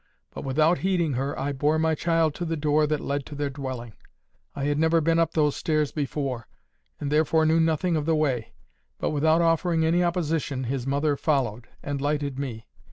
But, without heeding her, I bore my child to the door that led to their dwelling. I had never been up those stairs before, and therefore knew nothing of the way. But without offering any opposition, his mother followed, and lighted me.